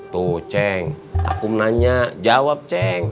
tuh ceng aku nanya jawab ceng